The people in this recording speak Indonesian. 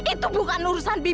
itu bukan urusan bibi